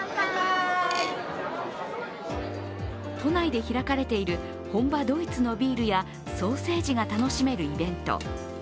都内で開かれている本場ドイツのビールやソーセージが楽しめるイベント。